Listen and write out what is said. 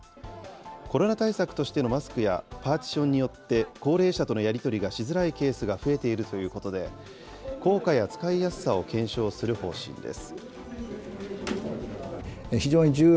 コロナ対策としてのマスクや、パーティションによって、高齢者とのやり取りがしづらいケースが増えているということで、効果や使いやすさを検証する方針です。